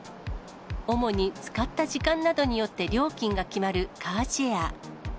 主に使った時間などによって、料金が決まるカーシェア。